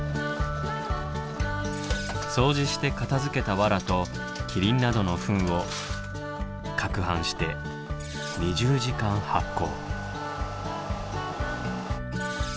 掃除して片づけた「わら」とキリンなどの「ふん」をかくはんして２０時間発酵。